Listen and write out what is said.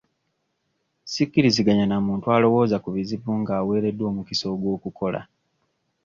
Sikkiriziganya na muntu alowooza ku bizibu nga aweereddwa omukisa ogw'okukola.